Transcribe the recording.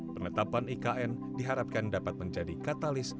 penetapan ikn diharapkan dapat menjadi katalis